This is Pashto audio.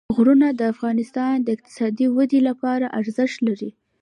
غرونه د افغانستان د اقتصادي ودې لپاره ارزښت لري.